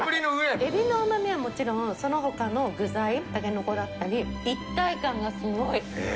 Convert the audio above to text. エビのうまみはもちろん、そのほかの具材、タケノコだったり、一体感がすごい。